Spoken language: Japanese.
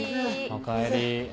おかえり。